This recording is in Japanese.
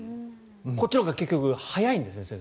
こっちのほうが結局早いんですね先生。